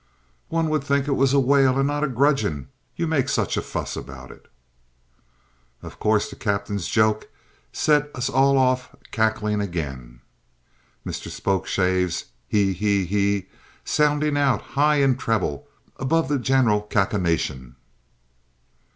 One would think it was a whale and not a gudgeon, you make such a fuss about it." Of course the captain's joke set us all off cackling again; Mr Spokeshave's "he he he" sounding out, high in the treble, above the general cachination.